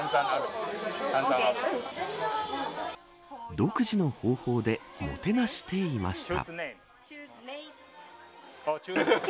独自の方法でもてなしていました。